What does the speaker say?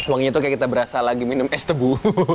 wanginya itu kayak kita berasa lagi minum es tebu